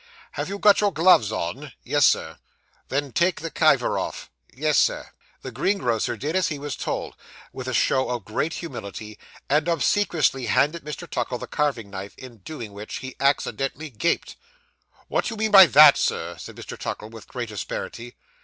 'Have you got your gloves on?' Yes, Sir.' 'Then take the kiver off.' 'Yes, Sir.' The greengrocer did as he was told, with a show of great humility, and obsequiously handed Mr. Tuckle the carving knife; in doing which, he accidentally gaped. 'What do you mean by that, Sir?' said Mr. Tuckle, with great asperity.